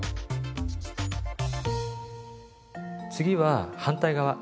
次は反対側ね。